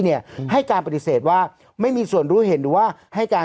ให้การปฏิเสธว่าไม่มีส่วนรู้เห็นหรือว่าให้การ